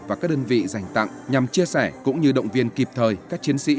và các đơn vị dành tặng nhằm chia sẻ cũng như động viên kịp thời các chiến sĩ